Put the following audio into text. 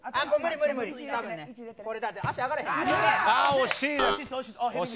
惜しい。